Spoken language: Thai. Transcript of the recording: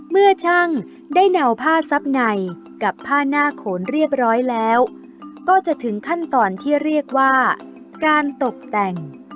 เมื่อช่างได้เหนาผ้าซับในกับผ้าหน้าโขนเรียบร้อยแล้วก็จะถึงขั้นตอนที่เรียกว่าการตกแต่ง